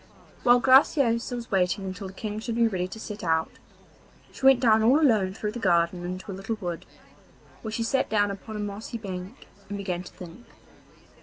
While Graciosa was waiting until the King should be ready to set out, she went down all alone through the garden into a little wood, where she sat down upon a mossy bank and began to think.